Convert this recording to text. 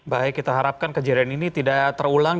baik kita harapkan kejadian ini tidak terulang